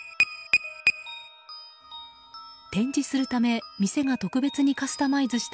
展示するため店が特別にカスタマイズした